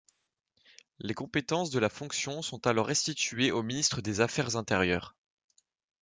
Les compétences de la fonction sont alors restituées au ministre des Affaires intérieures.